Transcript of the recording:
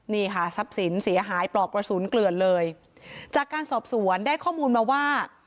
นี่ค่ะทรัพย์สินเสียหายปลอกกระสุนเกลือนเลยจากการสอบสวนได้ข้อมูลมาว่า